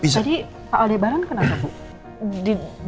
jadi pak aldebaran kenapa bu